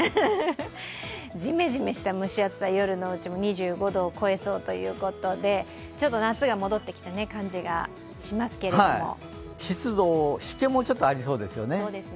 ジメジメした蒸し暑さ、夜のうちも２５度を超えそうということで、ちょっと夏が戻ってきた感じがしますけれども湿度、湿気もちょっとありそうですね。